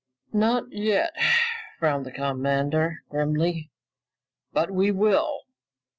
"Not yet," frowned the commander grimly, "but we will!